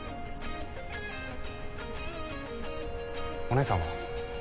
お姉さんは？